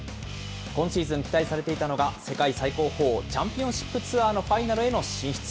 今シーズン期待されていたのが世界最高峰、チャンピオンシップツアーのファイナルへの進出。